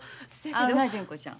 あんな純子ちゃん